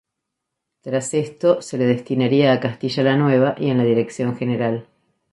Tras esto se le destinaría a Castilla la Nueva y en la Dirección General.